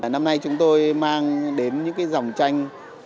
năm nay chúng tôi mang đến những dòng tranh